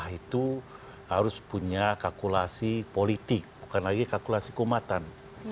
itu harus punya kalkulasi politik bukan lagi kalkulasi keumatan